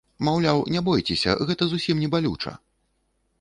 Маўляў, не бойцеся, гэта зусім не балюча!